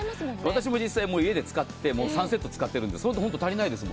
私も実際家で使って３セット使ってるんですがそうすると足りないです。